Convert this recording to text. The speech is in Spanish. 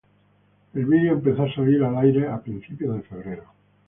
El vídeo empezó a salir al aire a principios de febrero.